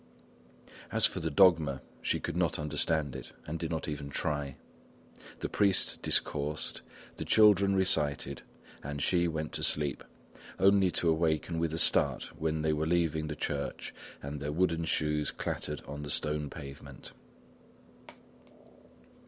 As for the dogma, she could not understand it and did not even try. The priest discoursed, the children recited, and she went to sleep, only to awaken with a start when they were leaving the church and their wooden shoes clattered on the stone pavement.